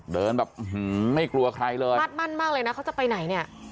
เดินแบบไม่กลัวใครเลยคาดมั่นมากเลยนะเขาจะไปไหนเนี่ย